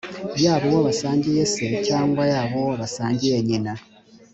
yaba uwo basangiye se cyangwa yaba uwo basangiye nyina